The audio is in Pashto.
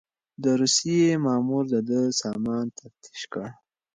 د روسيې مامور د ده سامان تفتيش کړ.